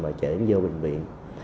và chở đến vô bệnh viện